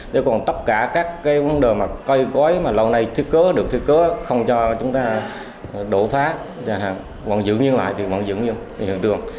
thế còn tất cả các cái vấn đề mà cây có ấy mà lâu nay thiết kế được thiết kế không cho chúng ta đổ phá còn giữ như loại thì vẫn giữ như loại